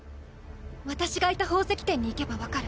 私がいた宝石店に行けば分かる。